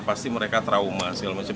pasti mereka trauma segala macam